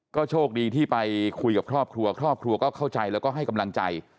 ก็โชคดีที่ไปคุยกับครอบครัวครอบครัวก็เข้าใจแล้วก็ให้กำลังใจ